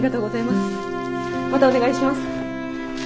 またお願いします。